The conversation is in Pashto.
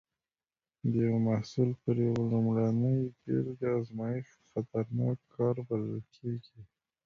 د یو محصول پر یوه لومړنۍ بېلګه ازمېښت خطرناک کار بلل کېږي.